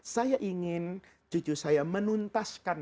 saya ingin cucu saya menuntaskan